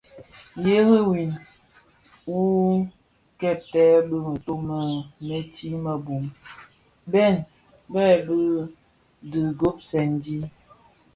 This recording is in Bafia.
Ngheri win wuö kèbtèè bi mëto në metig më bum bèn bë bë dhi gubsèn dhi.